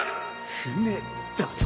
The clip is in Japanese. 船だと？